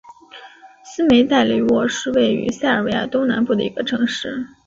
斯梅代雷沃是位于塞尔维亚东北部的一个城市。